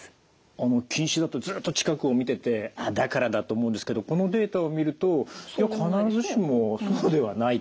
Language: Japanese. あの近視だとずっと近くを見ててだからだと思うんですけどこのデータを見ると必ずしもそうではないと。